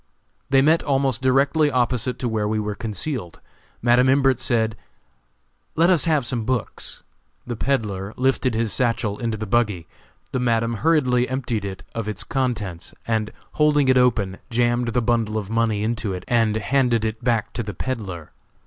They met almost directly opposite to where we were concealed. Madam Imbert said: "Let us have some books!" The peddler lifted his satchel into the buggy; the Madam hurriedly emptied it of its contents, and holding it open jammed the bundle of money into it and handed it back to the peddler.